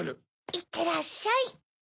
いってらっしゃい。